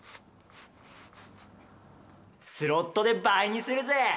スロットで倍にするぜ！